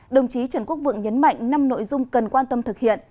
đồng chí trần quốc vượng nhấn mạnh năm nội dung cần quan tâm thực hiện